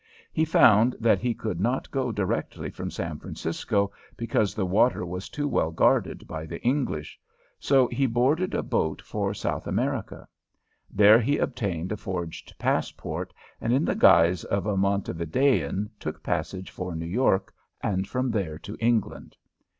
He found that he could not go directly from San Francisco because the water was too well guarded by the English, so he boarded a boat for South America. There he obtained a forged passport and in the guise of a Montevidean took passage for New York and from there to England.